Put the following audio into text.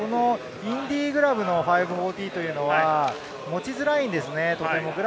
インディグラブの５４０は持ちづらいんですね、とても。